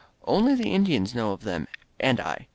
Only the Indians know of them — and I.